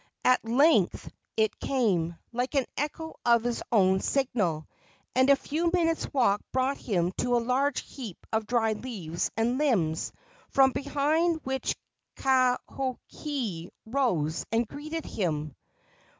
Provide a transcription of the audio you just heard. At length it came, like an echo of his own signal, and a few minutes' walk brought him to a large heap of dry leaves and limbs, from behind which Kakohe rose and greeted him.